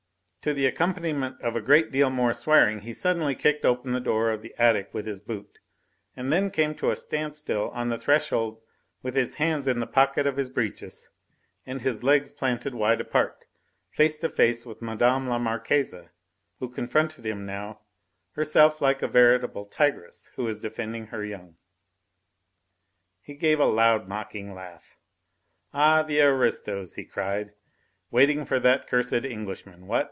To the accompaniment of a great deal more swearing he suddenly kicked open the door of our attic with his boot, and then came to a standstill on the threshold with his hands in the pockets of his breeches and his legs planted wide apart, face to face with Mme. la Marquise, who confronted him now, herself like a veritable tigress who is defending her young. He gave a loud, mocking laugh. "Ah, the aristos!" he cried, "waiting for that cursed Englishman, what?